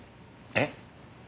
えっ？